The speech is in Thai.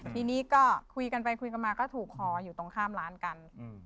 ทีนี้ก็คุยกันไปคุยกันมาก็ถูกคออยู่ตรงข้ามร้านกัน